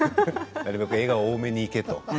なるべく笑顔、多めにいけと。